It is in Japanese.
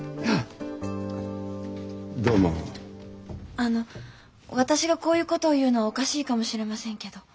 あの私がこういうことを言うのはおかしいかもしれませんけど。